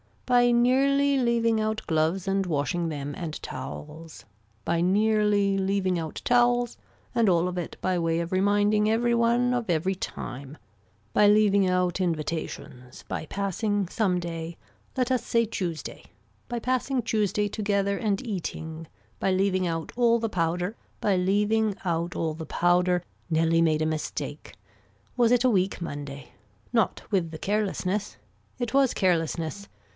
By nearly leaving out gloves and washing them and towels, by nearly leaving out towels and all of it by way of reminding every one of every time, by leaving out invitations, by passing some day, let us say Tuesday, by passing Tuesday together and eating, by leaving out all the powder, by leaving out all the powder, Nellie made a mistake. Was it a week Monday. Not with the carelessness. It was carelessness.